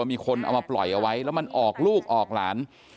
มีคนเอามาปล่อยเอาไว้แล้วมันออกลูกออกหลาน